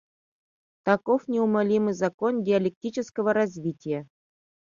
Таков неумолимый закон диалектического развития.